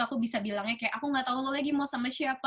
aku bisa bilangnya kayak aku nggak tahu lagi mau sama siapa